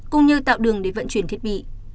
cũng như tạo đường để vận chuyển thiết bị